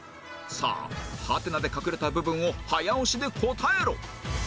さあハテナで隠れた部分を早押しで答えろ